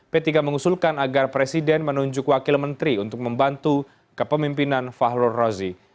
p tiga mengusulkan agar presiden menunjuk wakil menteri untuk membantu kepemimpinan fahrul rozi